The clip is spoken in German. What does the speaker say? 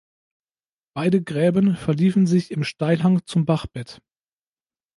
Beide Gräben verliefen sich im Steilhang zum Bachbett.